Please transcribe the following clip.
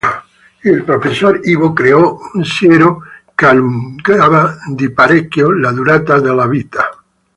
Il Professor Ivo creò un siero che allungava di parecchio la durata della vita.